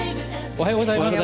おはようございます。